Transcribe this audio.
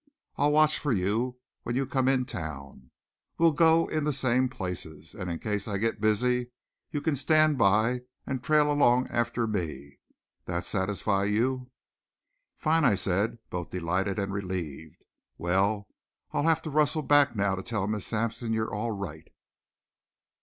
I'll watch for you when you come in town. We'll go in the same places. And in case I get busy you can stand by and trail along after me. That satisfy you?" "Fine!" I said, both delighted and relieved. "Well, I'll have to rustle back now to tell Miss Sampson you're all right."